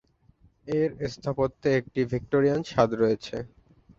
এর স্থাপত্যে একটি ভিক্টোরিয়ান স্বাদ রয়েছে।